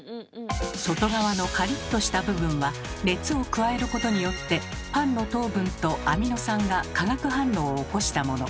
外側のカリッとした部分は熱を加えることによってパンの糖分とアミノ酸が化学反応を起こしたもの。